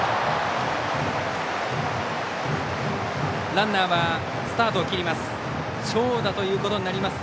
ランナーはスタートを切ります。